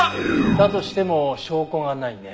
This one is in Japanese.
だとしても証拠がないね。